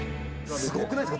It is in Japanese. すごくないですか？